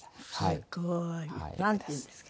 すごい。なんていうんですか？